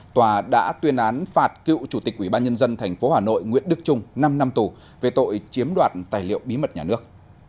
tòa đã tuyên án phạt cựu chủ tịch quỹ ban nhân dân tp hà nội nguyễn đức trung năm năm tù về tội chiếm đoạt tài liệu bí mật nhà nước